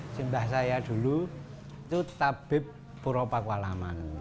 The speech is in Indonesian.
simbah saya dulu itu tabib puro pakualaman